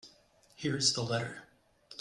Here is the letter.